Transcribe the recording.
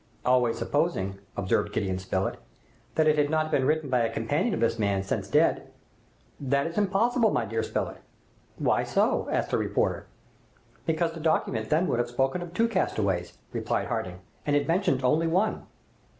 "Always supposing," observed Gideon Spilett, "that it had not been written by a companion of this man, since dead." "That is impossible, my dear Spilett." "Why so?" asked the reporter. "Because the document would then have spoken of two castaways," replied Harding, "and it mentioned only one."